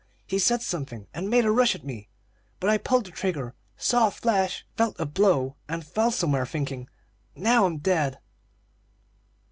He said something, and made a rush at me; but I pulled the trigger, saw a flash, felt a blow, and fell somewhere, thinking, 'Now I'm dead!'"